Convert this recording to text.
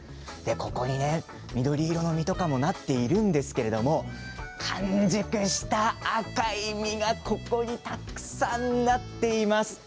ここにね、緑色の実とかもなっているんですけれども完熟した赤い実がここにたくさんなっています。